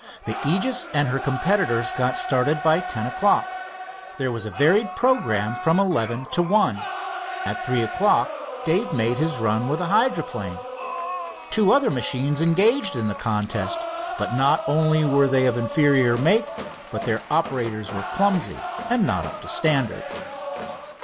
The Aegis and her competitors got started by ten o'clock. There was a varied programme from eleven to one. At three o'clock Dave made his run with the hydroplane. Two other machines engaged in the contest, but not only were they of inferior make, but their operators were clumsy and not up to standard.